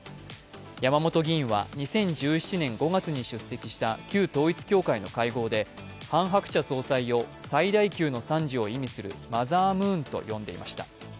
山本議員は２０１７年５月に出席した旧統一教会の会合でハン・ハクチャ総裁を最大級の賛辞を意味するマザームーンと呼んでいました。